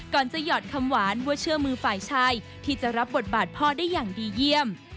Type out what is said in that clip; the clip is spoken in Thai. จะหยอดคำหวานว่าเชื่อมือฝ่ายชายที่จะรับบทบาทพ่อได้อย่างดีเยี่ยม